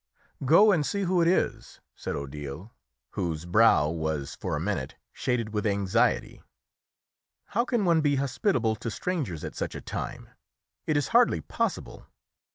"Go and see who it is," said Odile, whose brow was for a minute shaded with anxiety. "How can one be hospitable to strangers at such a time? It is hardly possible!"